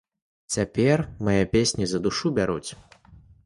Цяпер мае песні за душу бяруць.